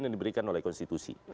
yang diberikan oleh konstitusi